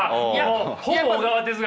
ほぼ小川哲学！